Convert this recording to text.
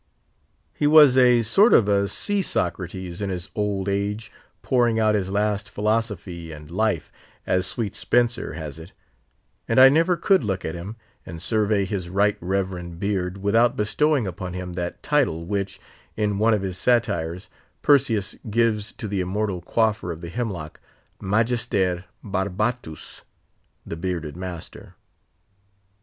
He was a sort of a sea Socrates, in his old age "pouring out his last philosophy and life," as sweet Spenser has it; and I never could look at him, and survey his right reverend beard, without bestowing upon him that title which, in one of his satires, Persius gives to the immortal quaffer of the hemlock—Magister Barbatus—the bearded master.